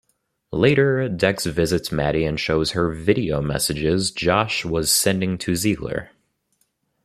Later, Dex visits Mattie and shows her video messages Josh was sending to Ziegler.